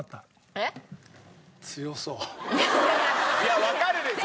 えっ？いやわかるでしょ？